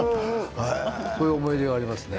そういう思い出がありますね。